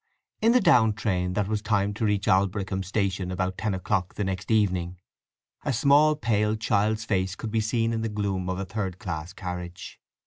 In the down train that was timed to reach Aldbrickham station about ten o'clock the next evening, a small, pale child's face could be seen in the gloom of a third class carriage.